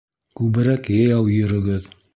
Күберәк йәйәү йөрөгөҙ!